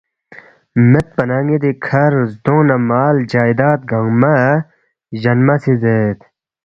میدپا نہ ن٘ی دی کھر زدونگ نہ مال جائیداد گنگمہ جَنما سی زید